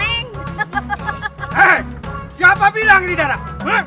hei siapa bilang ini darah